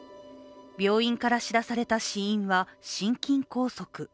病院から知らされた死因は心筋梗塞。